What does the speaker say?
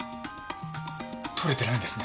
とれてないんですね？